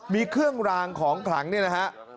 มีเครื่องรางของขลังเนี่ยนะฮะ